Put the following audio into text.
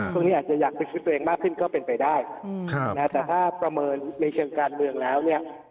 ช่วงนี้อาจจะอยากเป็นชีวิตตัวเองมากขึ้นก็เป็นไปได้แต่ถ้าประเมินในเชิงการเมืองแล้วเนี่ย